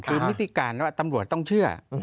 คือพฤติการแล้วตำรวจต้องเชื่อ